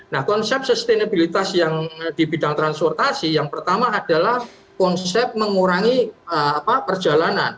nah konsep sustenabilitas yang di bidang transportasi yang pertama adalah konsep mengurangi perjalanan